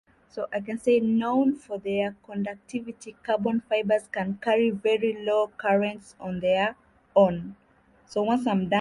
Known for their conductivity, carbon fibers can carry very low currents on their own.